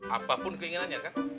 apapun keinginannya kan